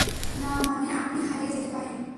না, মানে আপনি হারিয়ে যেতে পারেন।